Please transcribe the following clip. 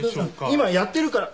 今やってるから。